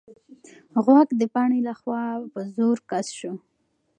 غوږ د پاڼې لخوا په زور کش شو.